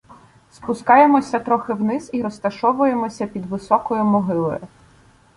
Спускаємося трохи вниз і розташовуємося під високою могилою.